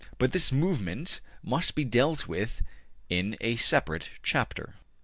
But this movement must be dealt with in a separate chapter.